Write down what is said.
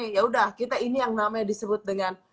ya udah kita ini yang namanya disebut dengan